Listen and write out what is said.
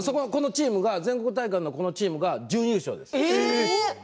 全国大会の、このチームが準優勝です。